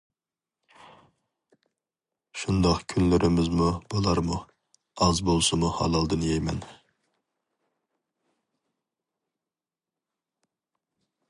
شۇنداق كۈنلىرىمىزمۇ بولارمۇ ئاز بولسىمۇ ھالالدىن يەيمەن!